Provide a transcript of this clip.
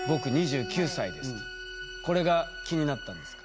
これが気になったんですか？